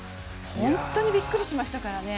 本当にびっくりしましたからね